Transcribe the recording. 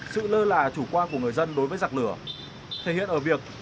sự lơ là chủ quan của người dân đối với giặc lửa thể hiện ở việc